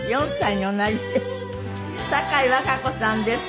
酒井和歌子さんです。